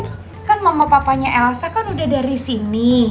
kan mama papanya elsa kan udah dari sini